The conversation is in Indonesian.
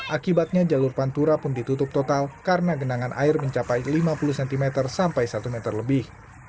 akibatnya jalur pantura pun ditutup total karena genangan air mencapai lima puluh cm sampai satu meter lebih